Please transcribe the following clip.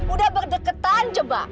udah berdekatan coba